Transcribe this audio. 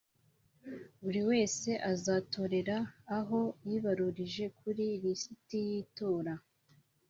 buri wese azatorera aho yibaruje kuri lisiti y’itora